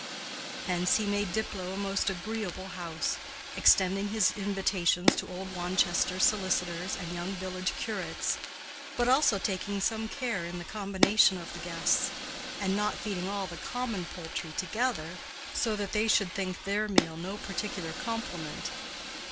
Hence he made Diplow a most agreeable house, extending his invitations to old Wanchester solicitors and young village curates, but also taking some care in the combination of the guests, and not feeding all the common poultry together, so that they should think their meal no particular compliment.